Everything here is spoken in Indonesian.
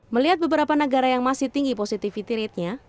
melihat beberapa negara yang masih tinggi positivity ratenya